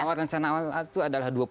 awal rencana awal itu adalah dua puluh tiga